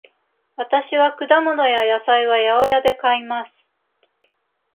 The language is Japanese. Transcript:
わたしは果物や野菜は八百屋で買います。